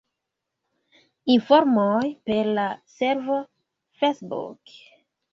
Informoj per la servo Facebook.